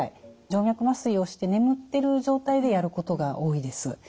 静脈麻酔をして眠ってる状態でやることが多いです。